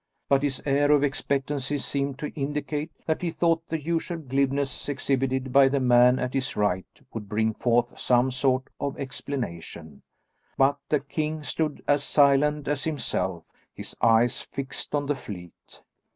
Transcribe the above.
But his air of expectancy seemed to indicate that he thought the usual glibness exhibited by the man at his right would bring forth some sort of explanation, but the king stood as silent as himself, his eyes fixed on the fleet.